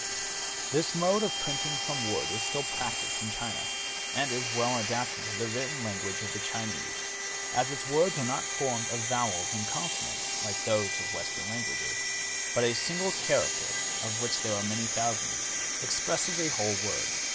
This mode of printing from wood is still practiced in China, and is well adapted to the written language of the Chinese, as its words are not formed of vowels and consonants, like those of Western languages, but a single character, of which there are many thousands, expresses a whole word.